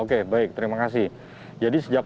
apakah kemudian hal itu yang menjadi hal yang diperlukan